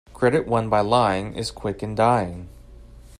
Credit won by lying is quick in dying.